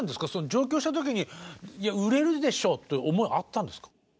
上京した時にいや売れるでしょうっていう思いあったんですか？